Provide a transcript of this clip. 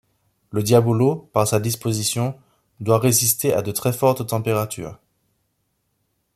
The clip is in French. Le diabolo, par sa disposition, doit résister à de très fortes températures.